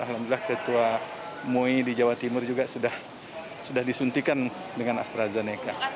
alhamdulillah ketua mui di jawa timur juga sudah disuntikan dengan astrazeneca